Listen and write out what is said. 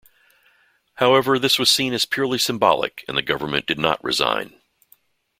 However, this was seen as purely symbolic, and the government did not resign.